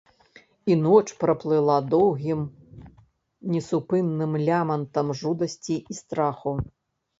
І ноч праплыла доўгім несупынным лямантам жудасці і страху.